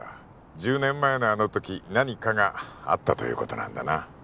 １０年前のあのとき何かがあったということなんだな